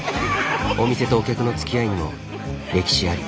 お店とお客のつきあいにも歴史あり。